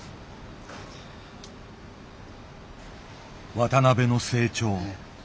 渡辺の成長。